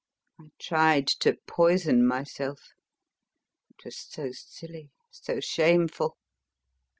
I tried to poison myself.... It was so silly, so shameful....